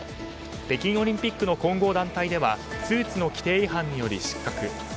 北京オリンピックの混合団体ではスーツの規定違反により失格。